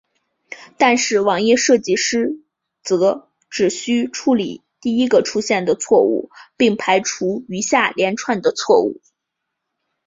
但是网页设计师则只需要处理第一个出现的错误并排除余下连串的错误。